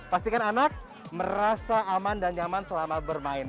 pastikan anak merasa aman dan nyaman selama bermain